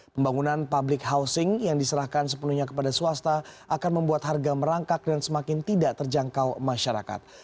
pembangunan public housing yang diserahkan sepenuhnya kepada swasta akan membuat harga merangkak dan semakin tidak terjangkau masyarakat